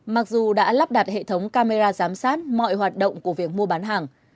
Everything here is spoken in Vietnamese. mặc dù đã lắp đặt hệ thống camera giám sát mọi hoạt động của việc mua bán hàng